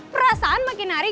perasaan makin nari